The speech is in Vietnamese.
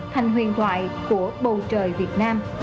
thành huyền thoại của bầu trời việt nam